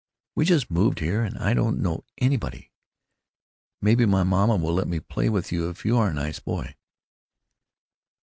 We just moved here and I don't know anybody. Maybe my mamma will let me play with you if you are a nice boy."